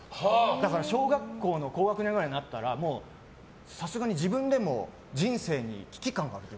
だから小学校の高学年ぐらいになったらもう、さすがに自分でも人生に危機感があって。